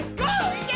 いけ！